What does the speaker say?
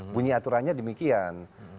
bunyi aturannya demikian